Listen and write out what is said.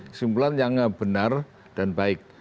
kesimpulan yang benar dan baik